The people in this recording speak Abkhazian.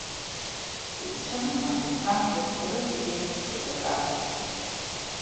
Ицәымӷын, избанзар рызегьы еицырҳәоз акакәын…